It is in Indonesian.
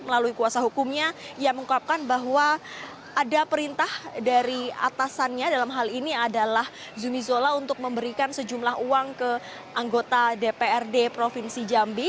melalui kuasa hukumnya yang menguapkan bahwa ada perintah dari atasannya dalam hal ini adalah zumi zola untuk memberikan sejumlah uang ke anggota dprd provinsi jambi